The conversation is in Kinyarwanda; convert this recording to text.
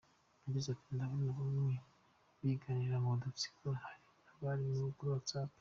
Yagize ati “Ndabona bamwe biganirira mu dutsiko, hari n’abari kuri WhatsApp….